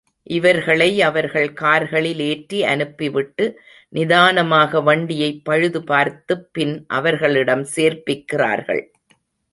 இவர்களை அவர்கள் கார்களில் ஏற்றி அனுப்பி விட்டு நிதானமாக வண்டியைப் பழுது பார்த்துப் பின் அவர்களிடம் சேர்ப்பிக்கிறார்கள்.